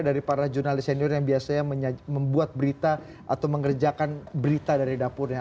dari para jurnalis senior yang biasanya membuat berita atau mengerjakan berita dari dapurnya